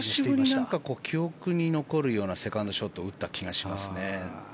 久しぶりに記憶に残るようなセカンドショットを打った気がします。